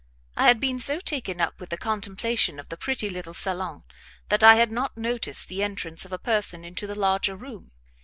I had been so taken up with the contemplation of the pretty little salon that I had not noticed the entrance of a person into the larger room.